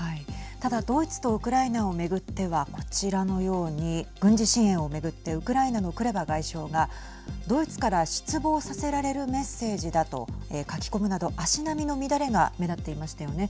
ただ、ドイツとウクライナを巡っては、こちらのように軍事支援を巡ってウクライナのクレバ外相がドイツから失望させられるメッセージだと書き込むなど、足並みの乱れが目立っていましたよね。